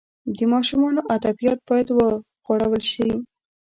د ماشومانو ادبیات باید وغوړول سي.